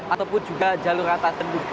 ataupun juga jalur atas